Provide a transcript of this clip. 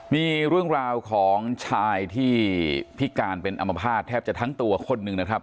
มีเรื่องราวของชายที่พิการเป็นอัมพาตแทบจะทั้งตัวคนหนึ่งนะครับ